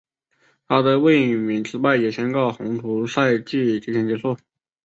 她的卫冕失败也宣告红土赛季提前结束。